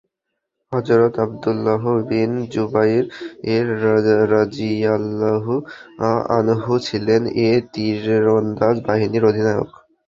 হযরত আব্দুল্লাহ বিন জুবাইর রাযিয়াল্লাহু আনহু ছিলেন এ তীরন্দাজ বাহিনীর অধিনায়ক।